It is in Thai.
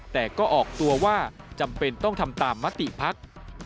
แต่ก็ออกตัวว่าจำเป็นต้องทำตามมติภักดิ์